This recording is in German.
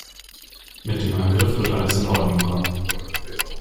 Mit dem Angriff wird alles in Ordnung kommen.